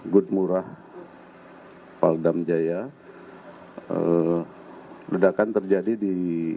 good murah paldam jaya ledakan terjadi di